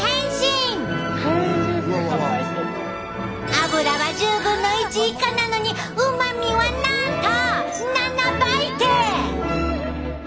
脂は１０分の１以下なのにうまみはなんと７倍て！